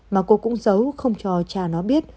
mà cô cũng giấu không cho cha nó biết